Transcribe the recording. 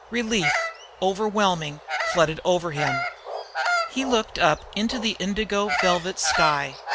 Relief, overwhelming, flooded over him. He looked up into the indigo velvet sky.